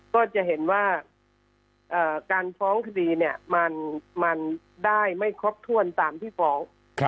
ก็จะเห็นว่าการฟ้องคดีเนี่ยมันได้ไม่ครบถ้วนตามที่ฟ้อง